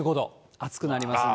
暑くなりますんで。